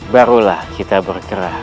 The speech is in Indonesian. barulah kita bergerak